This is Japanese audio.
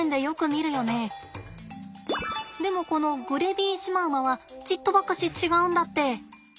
でもこのグレビーシマウマはちっとばかし違うんだって。